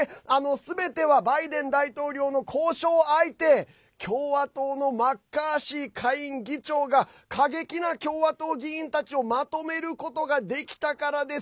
すべてはバイデン大統領の交渉相手共和党のマッカーシー下院議長が過激な共和党議員たちをまとめることができたからです。